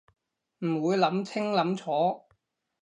唔會諗清諗楚